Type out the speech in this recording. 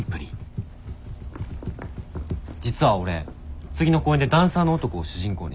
実は俺次の公演でダンサーの男を主人公にしようと思ってて。